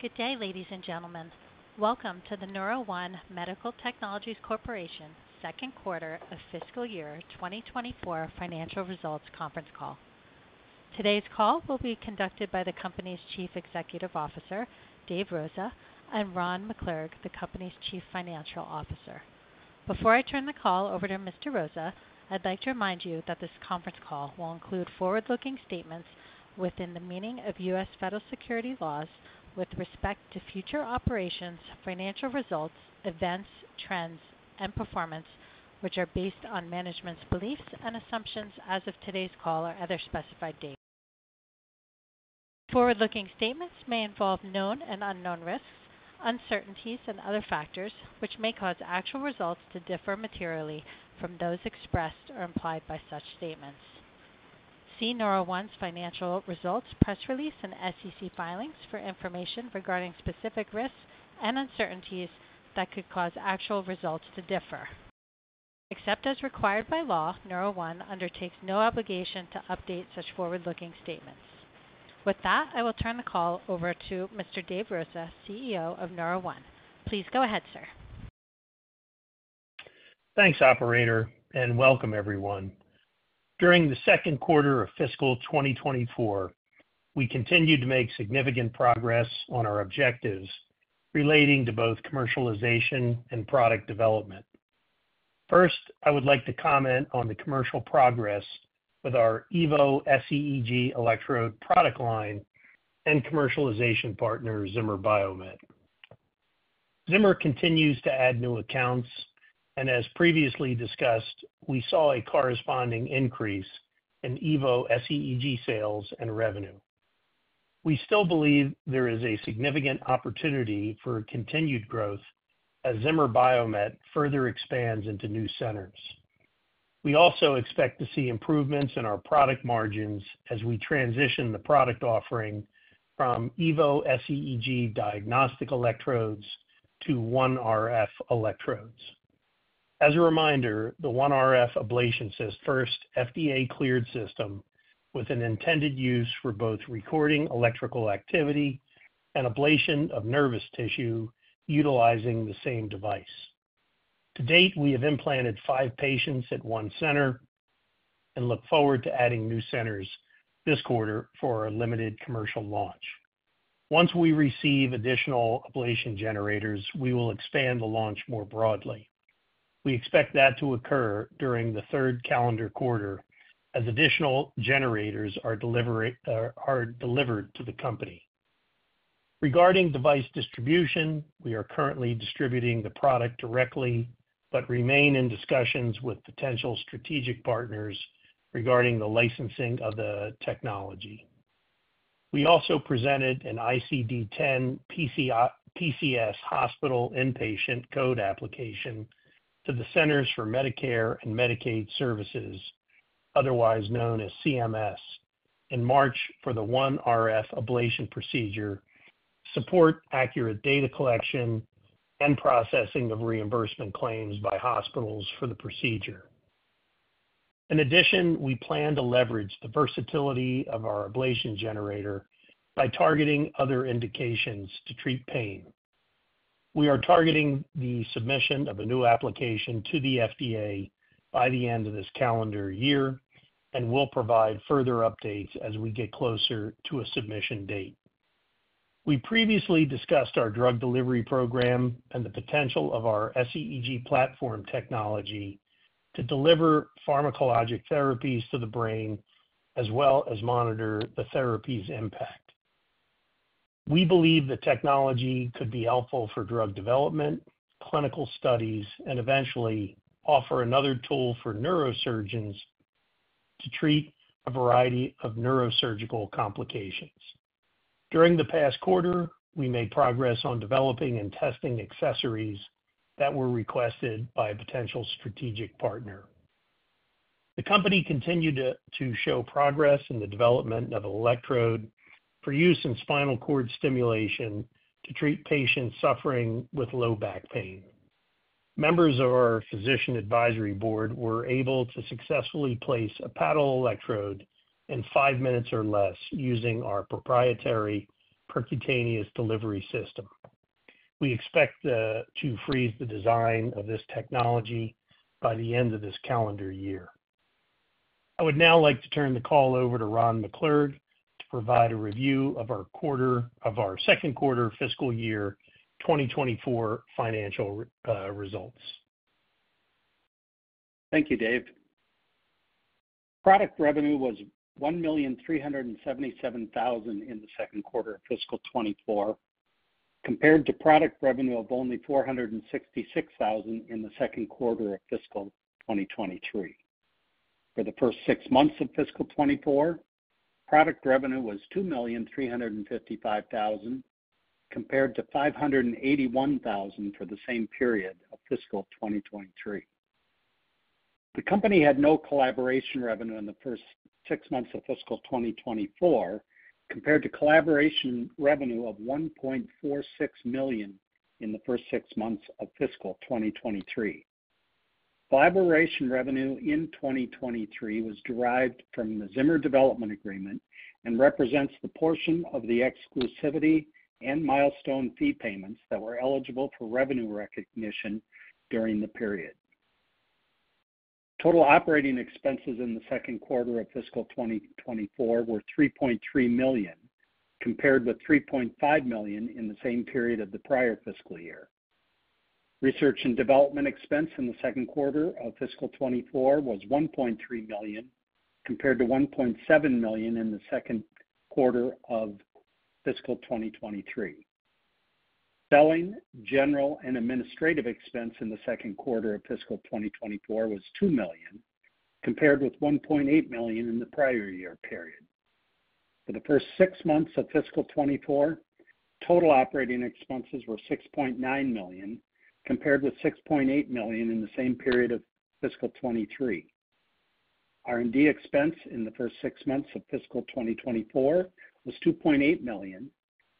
Good day, ladies and gentlemen. Welcome to the NeuroOne Medical Technologies Corporation second quarter of fiscal year 2024 financial results conference call. Today's call will be conducted by the company's Chief Executive Officer, Dave Rosa, and Ron McClurg, the company's Chief Financial Officer. Before I turn the call over to Mr. Rosa, I'd like to remind you that this conference call will include forward-looking statements within the meaning of US federal securities laws with respect to future operations, financial results, events, trends, and performance, which are based on management's beliefs and assumptions as of today's call or other specified date. Forward-looking statements may involve known and unknown risks, uncertainties, and other factors which may cause actual results to differ materially from those expressed or implied by such statements. See NeuroOne's financial results press release and SEC filings for information regarding specific risks and uncertainties that could cause actual results to differ. Except as required by law, NeuroOne undertakes no obligation to update such forward-looking statements. With that, I will turn the call over to Mr. Dave Rosa, CEO of NeuroOne. Please go ahead, sir. Thanks, operator, and welcome, everyone. During the second quarter of fiscal 2024, we continued to make significant progress on our objectives relating to both commercialization and product development. First, I would like to comment on the commercial progress with our Evo sEEG electrode product line and commercialization partner, Zimmer Biomet. Zimmer continues to add new accounts, and as previously discussed, we saw a corresponding increase in Evo sEEG sales and revenue. We still believe there is a significant opportunity for continued growth as Zimmer Biomet further expands into new centers. We also expect to see improvements in our product margins as we transition the product offering from Evo sEEG diagnostic electrodes to OneRF electrodes. As a reminder, the OneRF ablation first FDA-cleared system with an intended use for both recording electrical activity and ablation of nervous tissue utilizing the same device. To date, we have implanted five patients at one center and look forward to adding new centers this quarter for our limited commercial launch. Once we receive additional ablation generators, we will expand the launch more broadly. We expect that to occur during the third calendar quarter as additional generators are delivered to the company. Regarding device distribution, we are currently distributing the product directly but remain in discussions with potential strategic partners regarding the licensing of the technology. We also presented an ICD-10 PCS hospital inpatient code application to the Centers for Medicare & Medicaid Services, otherwise known as CMS, in March for the OneRF ablation procedure, support accurate data collection, and processing of reimbursement claims by hospitals for the procedure. In addition, we plan to leverage the versatility of our ablation generator by targeting other indications to treat pain. We are targeting the submission of a new application to the FDA by the end of this calendar year and will provide further updates as we get closer to a submission date. We previously discussed our drug delivery program and the potential of our sEEG platform technology to deliver pharmacologic therapies to the brain as well as monitor the therapy's impact. We believe the technology could be helpful for drug development, clinical studies, and eventually offer another tool for neurosurgeons to treat a variety of neurosurgical complications. During the past quarter, we made progress on developing and testing accessories that were requested by a potential strategic partner. The company continued to show progress in the development of an electrode for use in spinal cord stimulation to treat patients suffering with low back pain. Members of our physician advisory board were able to successfully place a paddle electrode in five minutes or less using our proprietary percutaneous delivery system. We expect to freeze the design of this technology by the end of this calendar year. I would now like to turn the call over to Ron McClurg to provide a review of our second quarter fiscal year 2024 financial results. Thank you, Dave. Product revenue was $1,377,000 in the second quarter of fiscal 2024 compared to product revenue of only $466,000 in the second quarter of fiscal 2023. For the first six months of fiscal 2024, product revenue was $2,355,000 compared to $581,000 for the same period of fiscal 2023. The company had no collaboration revenue in the first six months of fiscal 2024 compared to collaboration revenue of $1.46 million in the first six months of fiscal 2023. Collaboration revenue in 2023 was derived from the Zimmer Development Agreement and represents the portion of the exclusivity and milestone fee payments that were eligible for revenue recognition during the period. Total operating expenses in the second quarter of fiscal 2024 were $3.3 million compared with $3.5 million in the same period of the prior fiscal year. Research and development expense in the second quarter of fiscal 2024 was $1.3 million compared to $1.7 million in the second quarter of fiscal 2023. Selling, general, and administrative expense in the second quarter of fiscal 2024 was $2 million compared with $1.8 million in the prior year period. For the first six months of fiscal 2024, total operating expenses were $6.9 million compared with $6.8 million in the same period of fiscal 2023. R&D expense in the first six months of fiscal 2024 was $2.8 million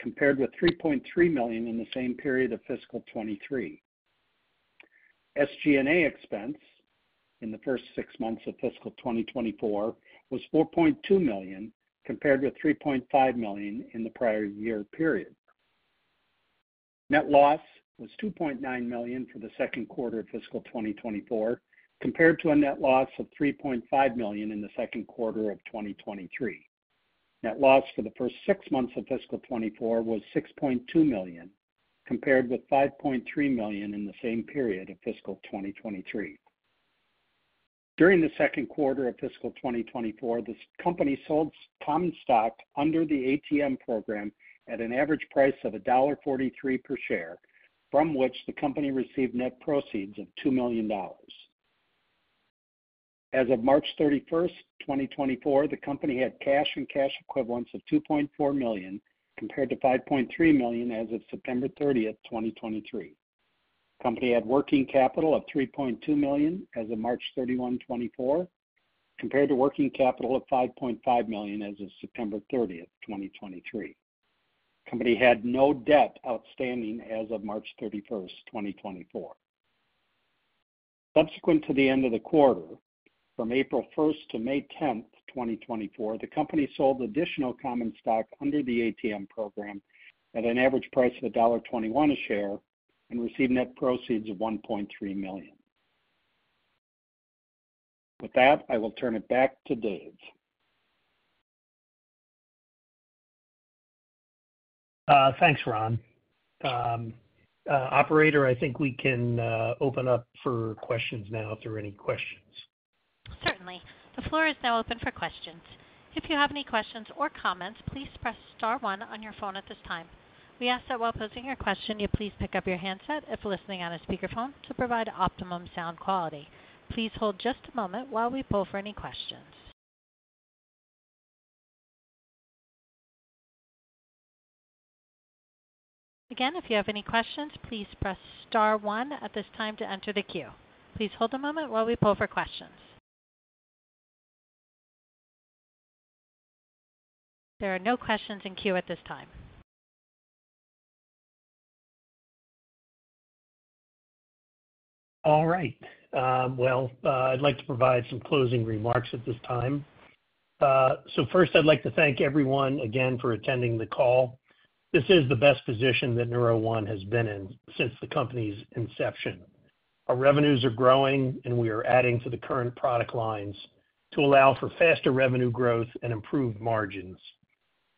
compared with $3.3 million in the same period of fiscal 2023. SG&A expense in the first six months of fiscal 2024 was $4.2 million compared with $3.5 million in the prior year period. Net loss was $2.9 million for the second quarter of fiscal 2024 compared to a net loss of $3.5 million in the second quarter of 2023. Net loss for the first six months of fiscal 2024 was $6.2 million compared with $5.3 million in the same period of fiscal 2023. During the second quarter of fiscal 2024, the company sold common stock under the ATM program at an average price of $1.43 per share from which the company received net proceeds of $2 million. As of March 31st, 2024, the company had cash and cash equivalents of $2.4 million compared to $5.3 million as of September 30th, 2023. The company had working capital of $3.2 million as of March 31st, 2024 compared to working capital of $5.5 million as of September 30th, 2023. The company had no debt outstanding as of March 31st, 2024. Subsequent to the end of the quarter, from April 1st to May 10th, 2024, the company sold additional common stock under the ATM program at an average price of $1.21 a share and received net proceeds of $1.3 million. With that, I will turn it back to Dave. Thanks, Ron. Operator, I think we can open up for questions now if there are any questions. Certainly. The floor is now open for questions. If you have any questions or comments, please press star one on your phone at this time. We ask that while posing your question, you please pick up your handset if listening on a speakerphone to provide optimum sound quality. Please hold just a moment while we pull for any questions. Again, if you have any questions, please press star one at this time to enter the queue. Please hold a moment while we pull for questions. There are no questions in queue at this time. All right. Well, I'd like to provide some closing remarks at this time. So first, I'd like to thank everyone again for attending the call. This is the best position that NeuroOne has been in since the company's inception. Our revenues are growing, and we are adding to the current product lines to allow for faster revenue growth and improved margins.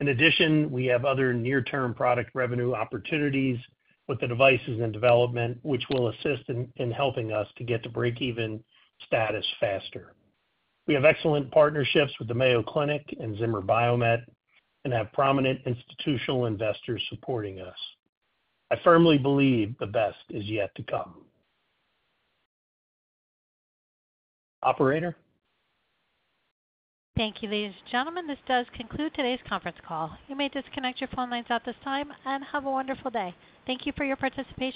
In addition, we have other near-term product revenue opportunities with the devices in development which will assist in helping us to get to break-even status faster. We have excellent partnerships with the Mayo Clinic and Zimmer Biomet and have prominent institutional investors supporting us. I firmly believe the best is yet to come. Operator? Thank you, ladies and gentlemen. This does conclude today's conference call. You may disconnect your phone lines at this time and have a wonderful day. Thank you for your participation.